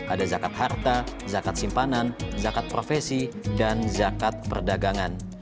ada zakat harta zakat simpanan zakat profesi dan zakat perdagangan